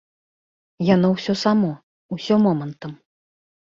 Яно ўсё само, усё момантам.